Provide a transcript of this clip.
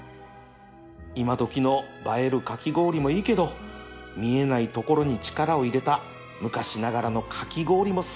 今どきの映えるかき氷もいいけど見えないところに力を入れた昔ながらのかき氷も最高だな